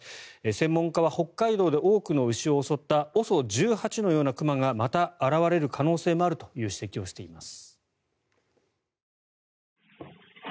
専門家は北海道で多くの牛を襲ったＯＳＯ１８のような熊がまた現れる可能性もあるという指摘をしています。